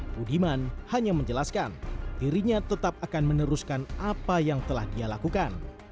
budiman hanya menjelaskan dirinya tetap akan meneruskan apa yang telah dia lakukan